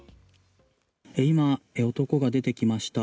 今、男が出てきました。